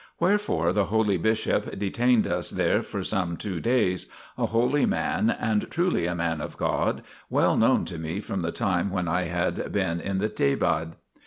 Wherefore the holy bishop detained us there for some two days, a holy man and truly a man of God, well known to me from the time when I had been in the Thebaid.